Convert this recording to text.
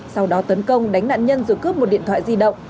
sau đó tấn công đánh nạn nhân rồi cướp một điện thoại di động